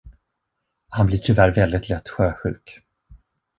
Han blir tyvärr väldigt lätt sjösjuk.